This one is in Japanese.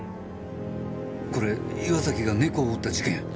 これ岩崎が猫を撃った事件。